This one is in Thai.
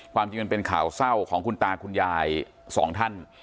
ความจริงมันเป็นข่าวเศร้าของคุณตาคุณยายสองท่าน